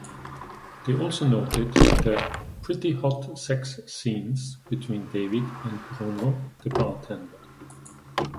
They also noted the "pretty hot sex scenes" between David and Bruno the bartender.